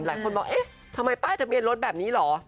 หลายคนบอกเอ๊ะทำไมป้ายทะเบียนรถแบบนี้เหรอ